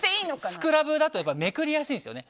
スクラブだとめくりやすいんですよね。